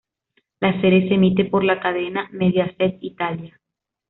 La serie se emite por la cadena Mediaset Italia.